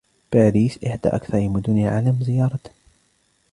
باريس إحدى أكثر مدن العالم زيارةً.